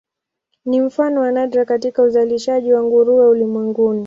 Ni mfano wa nadra katika uzalishaji wa nguruwe ulimwenguni.